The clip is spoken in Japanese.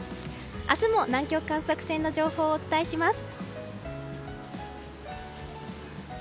明日も南極観測船の情報をお伝えします。